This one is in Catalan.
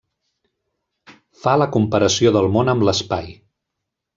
Fa la comparació del món amb l’espai.